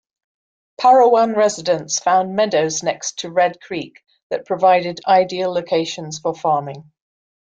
Parowan residents found meadows next to Red Creek that provided ideal locations for farming.